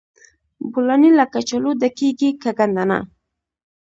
بولاني له کچالو ډکیږي که ګندنه؟